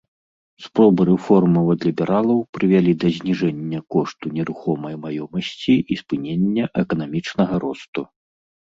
Спробы рэформаў ад лібералаў прывялі да зніжэння кошту нерухомай маёмасці і спынення эканамічнага росту.